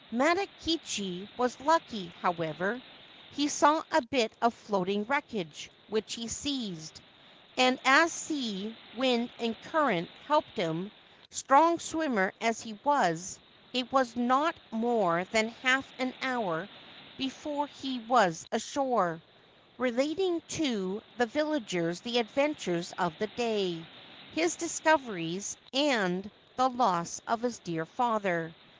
Matakichi was lucky, however. He saw a bit of floating wreckage, which he seized ; and as sea, wind, and current helped him, strong swimmer as he was, it was not more than half an hour before he was ashore, relating to the 278 The Temple of the Awabi villagers the adventures of the day, his discoveries, and the loss of his dear father.